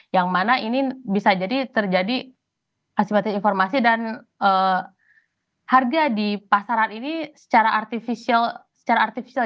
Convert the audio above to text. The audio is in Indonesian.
yang mana ini bisa jadi terjadi akibatnya informasi dan harga di pasaran ini secara artificial